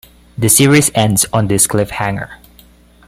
The series ends on this cliffhanger.